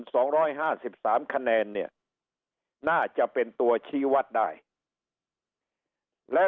สองร้อยห้าสิบสามคะแนนเนี่ยน่าจะเป็นตัวชี้วัดได้และ